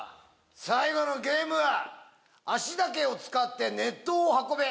最後のゲームは足だけを使って熱湯を運べ！